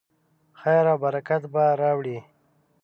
خیر او برکت به راوړي.